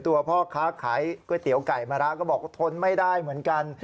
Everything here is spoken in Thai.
พ่อค้าขายก๋วยเตี๋ยวไก่มะระก็บอกว่าทนไม่ได้เหมือนกัน